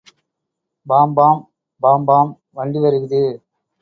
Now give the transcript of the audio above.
Pom-pom pom-pom வண்டி வருகுது.